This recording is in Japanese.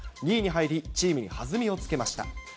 ２位に入り、チームに弾みをつけました。